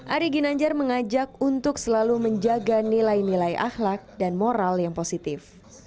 ari ginanjar mengajak untuk selalu menjaga nilai nilai ahlak dan moral yang positif